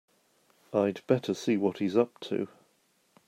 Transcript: I'd better see what he's up to.